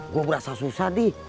gue berasa susah dih